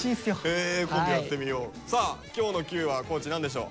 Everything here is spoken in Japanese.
さあ今日の「Ｑ」は地何でしょう？